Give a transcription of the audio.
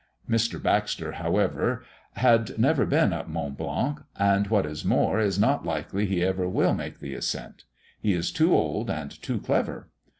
Mr. Baxter, however, had never been up Mont Blanc, and what is more, it is not likely he will ever make the ascent. He is too old, and too clever.